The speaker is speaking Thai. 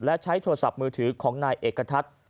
และใช้โทรศัพท์มือถือของนายเอกทัศน์